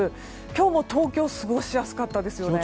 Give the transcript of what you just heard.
今日も東京過ごしやすかったですね。